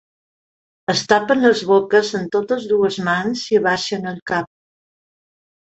Es tapen les boques amb totes dues mans i abaixen el cap.